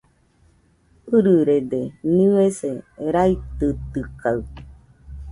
ɨrɨrede, nɨese raitɨtɨkaɨ